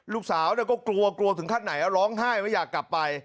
ลูกสาวก็กลัวกลัวถึงขั้นไหนร้องไห้ไม่อยากกลับไป